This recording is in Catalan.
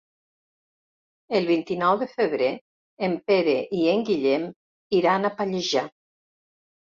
El vint-i-nou de febrer en Pere i en Guillem iran a Pallejà.